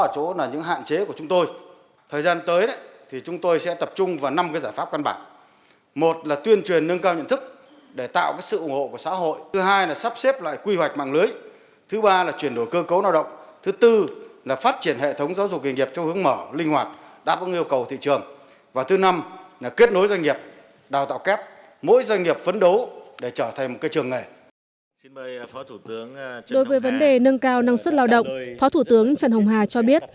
đối với vấn đề nâng cao năng suất lao động phó thủ tướng trần hồng hà cho biết